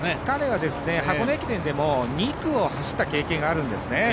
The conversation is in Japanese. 彼は箱根駅伝でも２区を走った経験があるんですね。